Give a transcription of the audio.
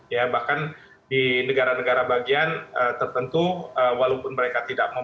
ya bahkan di negara negara bagian tertentu walaupun mereka tidak mau